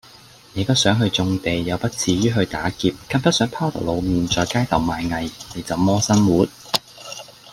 你不想去種地；又不恥於去打劫；更不想拋頭露面在街頭賣藝。你怎麼生活？